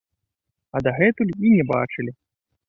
А дагэтуль і не бачылі!